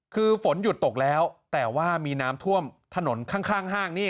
คือฝนหยุดตกแล้วแต่ว่ามีน้ำท่วมถนนข้างห้างนี่